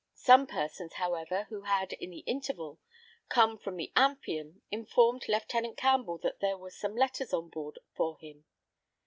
Some persons, however, who had, in the interval, come from the Amphion, informed Lieutenant Campbell that there were some letters on board for him.